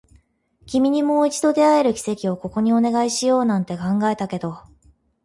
君にもう一度出会える奇跡をここにお願いしようなんて考えたけれど